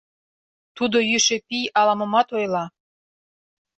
Тудо йӱшӧ пий ала-момат ойла.